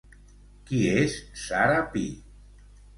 Qui és Sara Pi?